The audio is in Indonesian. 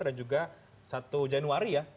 dan juga satu januari ya